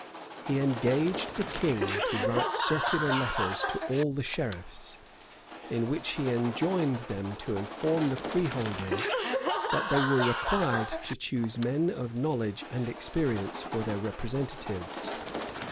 He engaged the king to write circular letters to all the sheriffs, in which he enjoined them to inform the freeholders, that they were required to choose men of knowledge and experience for their representatives.